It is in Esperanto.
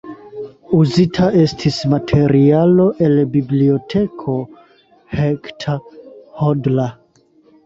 Uzita estis materialo el Biblioteko Hector Hodler.